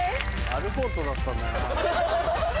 アルフォートだったんだなぁ。